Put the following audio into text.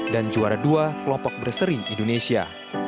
dan juara dua kelompok berseri indonesia